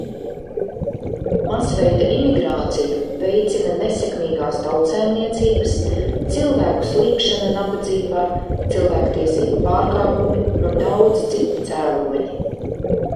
Masveida imigrāciju veicina nesekmīgās tautsaimniecības, cilvēku slīgšana nabadzībā, cilvēktiesību pārkāpumi un daudzi citi cēloņi.